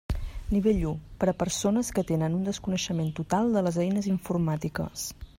Nivell u, per a persones que tenen un desconeixement total de les eines informàtiques.